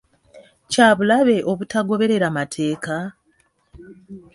Kya bulabe obutagoberera mateeka?